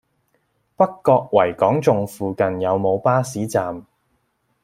北角維港頌附近有無巴士站？